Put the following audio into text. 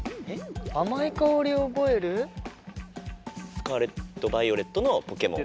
「スカーレット・バイオレット」のポケモン。